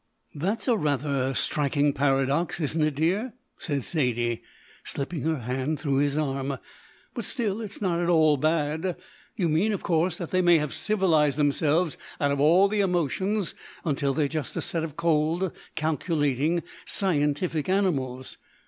"That's a rather striking paradox, isn't it, dear?" said Zaidie, slipping her hand through his arm; "but still it's not at all bad. You mean, of course, that they may have civilised themselves out of all the emotions until they're just a set of cold, calculating, scientific animals.